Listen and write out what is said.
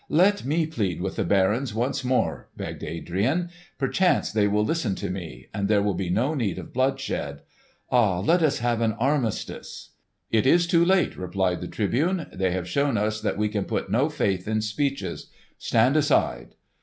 "Let me plead with the barons once more!" begged Adrian. "Perchance they will listen to me, and there will be no need of bloodshed. Ah, let us have an armistice!" "It is too late," replied the Tribune. "They have shown us that we can put no faith in speeches. Stand aside!